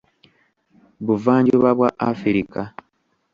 Buvanjuba bwa Afirika.